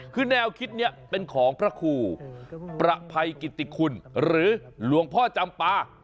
คือแนวคิดนี้เป็นของพระครูประภัยกิติคุณหรือหลวงพ่อจำปา